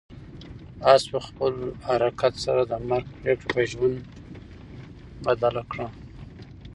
آس په خپل حرکت سره د مرګ پرېکړه په ژوند بدله کړه.